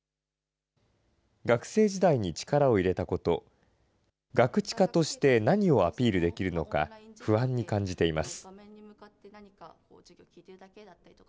学生時代に力を入れたこと、ガクチカとして何をアピールできるのか、不安に感じています。